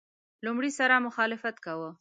لومړي سره مخالفت کاوه.